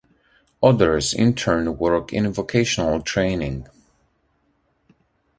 Others in turn work in vocational training.